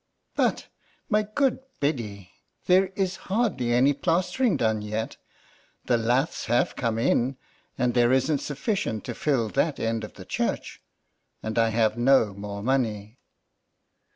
" But, my good Biddy, there is hardly any plaster ing done yet. The laths have come in, and there isn't sufficient to fill that end of the church, and I have no more money."